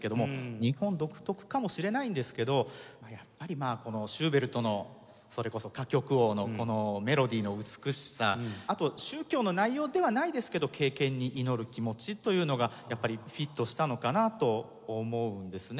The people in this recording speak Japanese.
日本独特かもしれないんですけどやっぱりまあシューベルトのそれこそ歌曲王のメロディーの美しさあと宗教の内容ではないですけど敬虔に祈る気持ちというのがやっぱりフィットしたのかなと思うんですね。